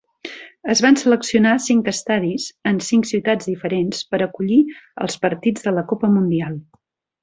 Es van seleccionar cinc estadis en cinc ciutats diferents per acollir els partits de la Copa Mundial.